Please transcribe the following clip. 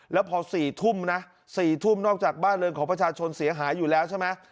แล้วพอ๔ทุ่มนะ๔ทุ่มนอกจากบ้านเรือนของประชาชนเสียหายอยู่แล้วใช่ไหม